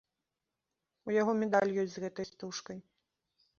У яго медаль ёсць з гэтай стужкай.